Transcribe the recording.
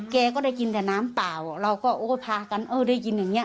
แกก็ได้ยินแต่น้ำเปล่าเราก็โอ้ยพากันเออได้ยินอย่างนี้